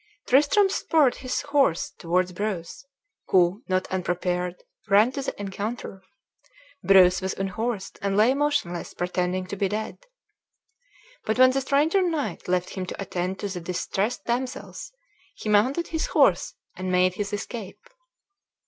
Tristram spurred his horse towards Breuse, who, not unprepared, ran to the encounter. Breuse was unhorsed, and lay motionless, pretending to be dead; but when the stranger knight left him to attend to the distressed damsels, he mounted his horse, and made his escape.